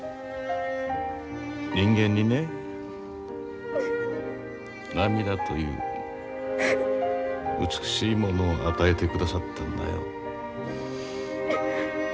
人間にね涙という美しいものを与えてくださったんだよ。